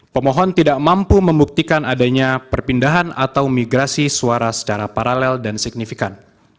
pemohon tidak mampu membuktikan adanya perpindahan atau migrasi suara secara paralel dan signifikan